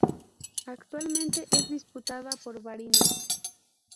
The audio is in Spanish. Actualmente es diputada por Barinas.